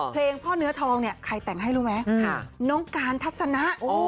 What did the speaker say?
เพลงพ่อเนื้อทองเนี่ยใครแต่งให้รู้ไหมน้องการทัศนะ